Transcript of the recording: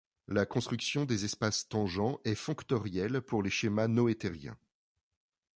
La construction des espaces tangents est fonctorielle pour les schémas noethériens.